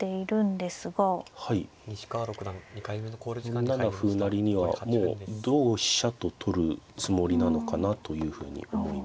４七歩成にはもう同飛車と取るつもりなのかなというふうに思いますね。